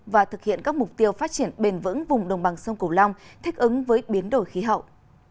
và thực hiện các mục tiêu phát triển bền vững vùng đồng bằng sông cổ long thích ứng với biến đổi khí hậu